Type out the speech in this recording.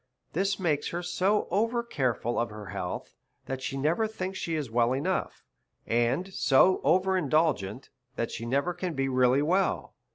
This makes her so over careful of her health, that she never thinks she is well enough; and so over indulgent, that she never can be really well.